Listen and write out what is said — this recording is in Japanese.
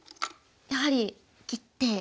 やはり切って。